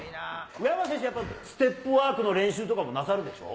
宇山選手、やっぱステップワークの練習とかもなさるでしょう？